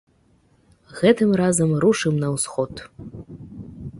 Гэтым разам рушым на ўсход.